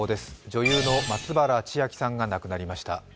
女優の松原千明さんが亡くなりました。